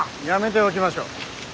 やめておきましょう。